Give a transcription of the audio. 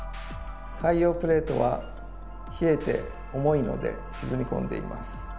海洋プレートは冷えて重いので沈み込んでいます。